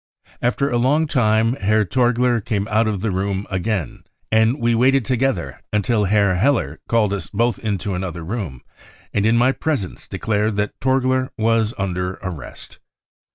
After a long time Herr Torgier came out of the room again, and we waited together until Herr Heller called us both into another room ind in my presence declared that Torgier was under arrest.